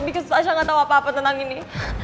because tasya gak tau apa apa tentang ini